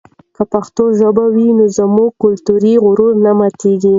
که پښتو ژبه وي نو زموږ کلتوري غرور نه ماتېږي.